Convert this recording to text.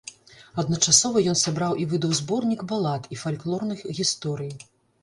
Адначасова ён сабраў і выдаў зборнік балад і фальклорных гісторый.